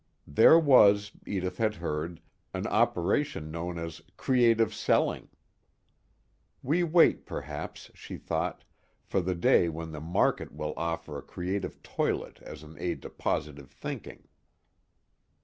There was, Edith had heard, an operation known as "creative selling." We wait perhaps, she thought, for the day when the market will offer a creative toilet as an aid to positive thinking.